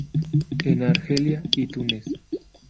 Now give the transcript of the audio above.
En Argelia y Túnez.